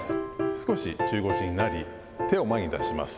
少し中腰になり、手を前に出します。